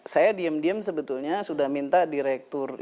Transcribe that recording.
saya diam diam sebetulnya sudah minta direktur inventory